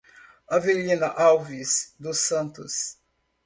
Avelina Alves do Santos